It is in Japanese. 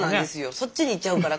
そっちにいっちゃうから。